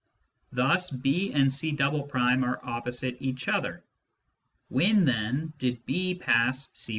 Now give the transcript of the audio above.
Thus B and C" are opposite each other. When, then, did B pass C